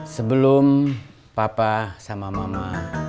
sebelum papa sama mama